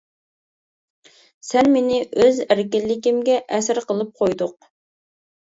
سەن مېنى ئۆز ئەركىنلىكىمگە ئەسىر قىلىپ قويدۇق.